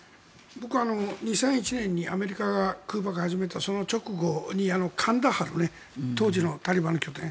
僕、２００１年にアメリカが空爆を始めたその直後にカンダハル当時のタリバンの拠点。